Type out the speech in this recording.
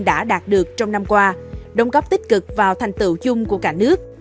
đã đạt được trong năm qua đồng góp tích cực vào thành tựu chung của cả nước